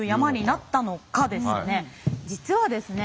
実はですね